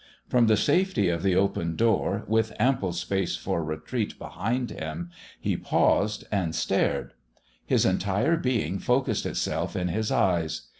From the safety of the open door, with ample space for retreat behind him, he paused and stared. His entire being focused itself in his eyes.